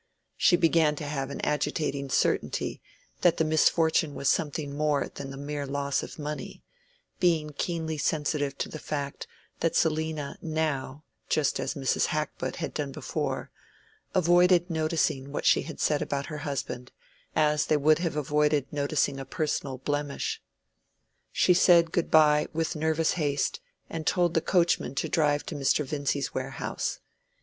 She began to have an agitating certainty that the misfortune was something more than the mere loss of money, being keenly sensitive to the fact that Selina now, just as Mrs. Hackbutt had done before, avoided noticing what she said about her husband, as they would have avoided noticing a personal blemish. She said good by with nervous haste, and told the coachman to drive to Mr. Vincy's warehouse.